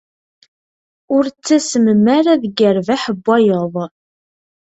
Ur ttasmem ara deg rrbeḥ n wayeḍ.